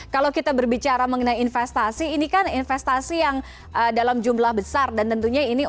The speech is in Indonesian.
kalau kita berbicara mengenai investasi ini kan investasi yang dalam jumlah besar dan tentunya ini